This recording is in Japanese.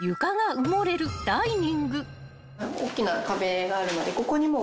おっきな壁があるのでここにもう。